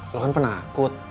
lo kan penakut